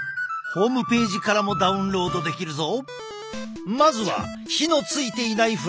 ホームページからもダウンロードできるぞ。